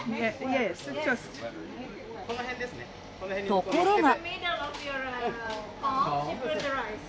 ところが。